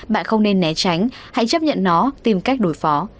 bạn không nên né tránh hãy chấp nhận nó tìm cách đối phó